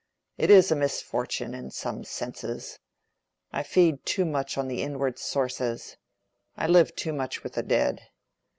It is a misfortune, in some senses: I feed too much on the inward sources; I live too much with the dead.